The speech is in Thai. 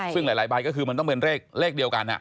ซึ่งหลายใบก็คือมันต้องเป็นเลขเดียวกัน